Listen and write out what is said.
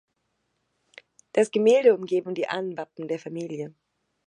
Das Gemälde umgeben die Ahnenwappen der Familie.